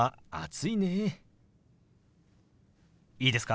いいですか？